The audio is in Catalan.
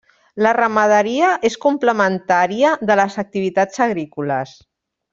La ramaderia és complementària de les activitats agrícoles.